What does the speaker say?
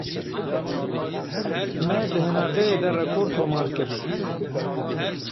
Me di hinardeyê de rekor tomar kir.